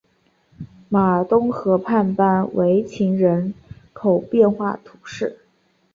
马东河畔班维勒人口变化图示